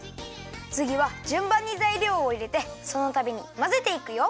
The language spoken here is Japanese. つぎはじゅんばんにざいりょうをいれてそのたびにまぜていくよ。